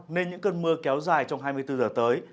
nên những cơn mưa kéo dài trong hai mươi bốn giờ tới